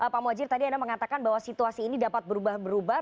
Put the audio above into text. pak muhajir tadi anda mengatakan bahwa situasi ini dapat berubah berubah